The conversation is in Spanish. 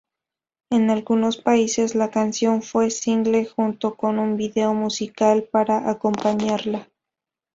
En algunos países, la canción fue single junto con un video musical para acompañarla.